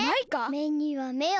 めにはめを。